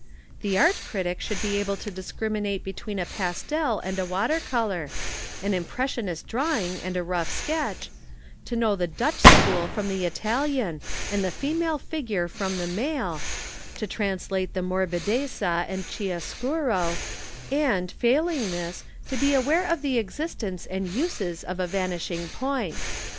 The art critic should be able to discriminate between a pastel and a water color, an impressionist drawing and a rough sketch, to know the Dutch school from the Italian, and the female figure from the male, to translate morbidezza and chiaroscuro, and failing this, to be aware of the existence and uses of a vanishing point.